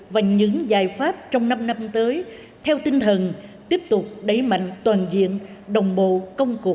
và những giải pháp để đạt được những kết quả